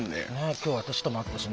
今日私とも会ったしね。